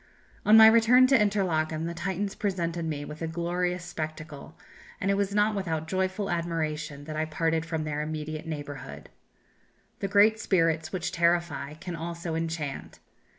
"On my return to Interlachen the Titans presented me with a glorious spectacle, and it was not without joyful admiration that I parted from their immediate neighbourhood. The great spirits which terrify can also enchant.